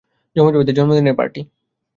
যমজ ভাইদের জন্মদিনের পার্টি।